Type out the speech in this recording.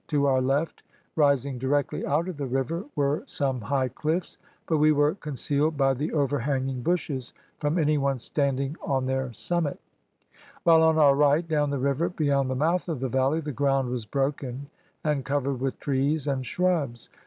To our left, rising directly out of the river, were some high cliffs, but we were concealed by the overhanging bushes from any one standing on their summit; while on our right, down the river beyond the mouth of the valley, the ground was broken, and covered with trees and shrubs.